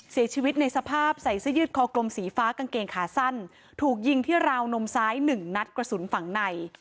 เสียชีวิตในสภาพใส่เสื้อยืดคอกลมสีฟ้ากางเกงขาสั้นถูกยิงที่ราวนมซ้ายหนึ่งนัดกระสุนฝั่งใน